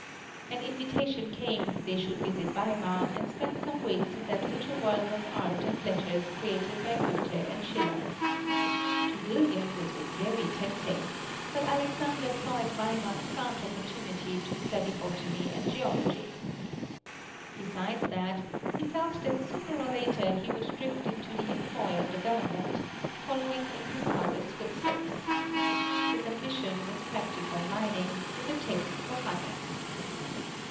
An invitation came that they should visit Weimar and spend some weeks in that little world of art and letters created by Goethe and Schiller. To William this was very tempting; but Alexander saw at Weimar scant opportunity to study botany and geology. Besides that, he felt that sooner or later he would drift into the employ of the Government, following in his father's footsteps. His ambition was practical mining, with a taste for finance.